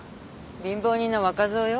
貧乏人の若造よ。